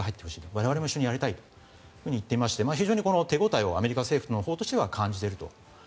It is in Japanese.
我々も一緒にやりたいと言っていまして非常に手応えをアメリカ政府のほうとしては感じていると。